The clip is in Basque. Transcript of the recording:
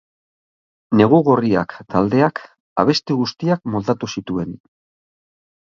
Negu Gorriak taldeak abesti guztiak moldatu zituen.